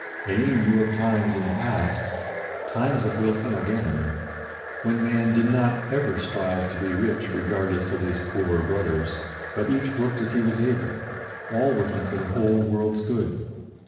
Eline knew of times in the past—times that will come again—when man did not ever strive to be rich regardless of his poorer brothers, but each worked as he was able, all working for the whole world's good.